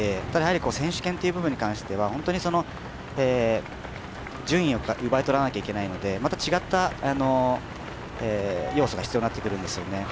ただ、選手権という部分では本当に順位を奪い取らなきゃいけないのでまた違った要素が必要になってくるんですよね。